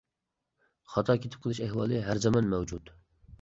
خاتا كېتىپ قېلىش ئەھۋالى ھەر زامان مەۋجۇت.